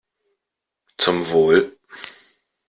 Zum Wohl!